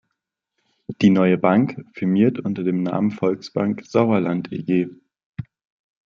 Die neue Bank firmiert unter dem Namen Volksbank Sauerland eG.